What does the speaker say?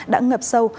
đã ngập sâu